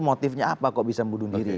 motifnya apa kok bisa bunuh diri